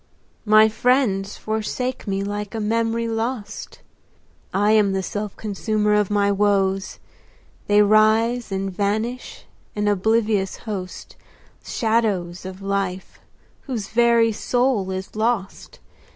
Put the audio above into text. My friends forsake me like a memory lost. I am the self consumer of my woes; They rise and vanish, an oblivious host, Shadows of life, whose very soul is lost.